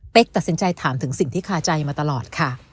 ตัดสินใจถามถึงสิ่งที่คาใจมาตลอดค่ะ